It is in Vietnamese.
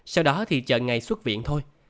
sau đó thì chờ ngày xuất viện thôi